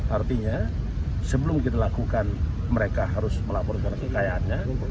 artinya sebelum kita lakukan mereka harus melaporkan kekayaannya